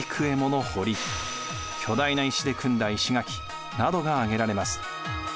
巨大な石で組んだ石垣などが挙げられます。